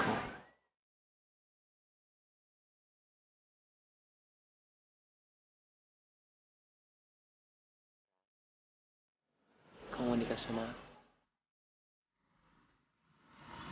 kamu nikah sama aku